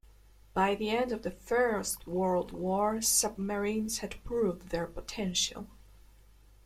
By the end of the First World War submarines had proved their potential.